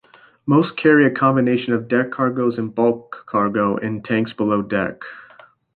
Most carry a combination of deck cargoes and bulk cargo in tanks below deck.